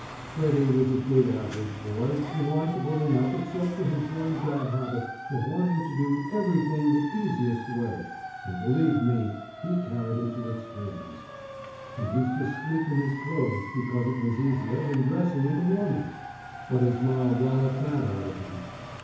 Freddy was a good average boy and likeable enough except for his one bad habit of wanting to do everything the easiest way, and believe me he carried it to extremes. He used to sleep in his clothes because it was easier than dressing in the morning, but his Ma walloped that out of him.